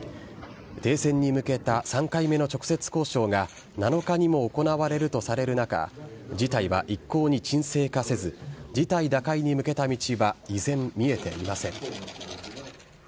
停戦に向けた３回目の直接交渉が７日にも行われるとされる中、事態は一向に沈静化せず、事態打開に向けた道は依然、見えていません。